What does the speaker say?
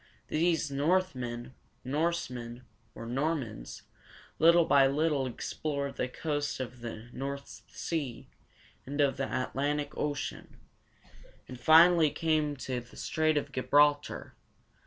These Northmen, Norsemen, or Normans, little by little explored the coast of the North Sea, and of the Atlantic Ocean, and finally came to the Strait of Gi bral´tar.